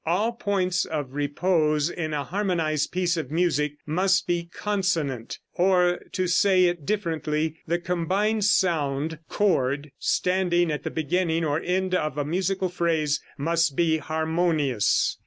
All points of repose in a harmonized piece of music must be consonant; or, to say it differently, the combined sound (chord) standing at the beginning or end of a musical phrase must be harmonious.